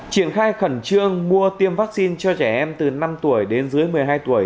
triển khai khẩn trương mua tiêm vaccine cho trẻ em từ năm tuổi đến dưới một mươi hai tuổi